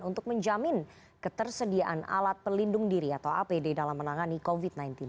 untuk menjamin ketersediaan alat pelindung diri atau apd dalam menangani covid sembilan belas